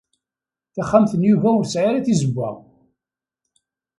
Taxxamt n Yuba ur tesɛi ara tizewwa.